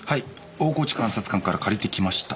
大河内監察官から借りてきました。